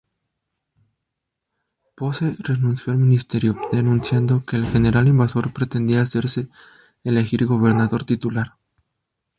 Posse renunció al ministerio, denunciando que el general invasor pretendía hacerse elegir gobernador titular.